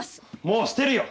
もうしてるよ！